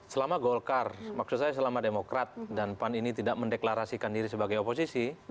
selama golkar maksud saya selama demokrat dan pan ini tidak mendeklarasikan diri sebagai oposisi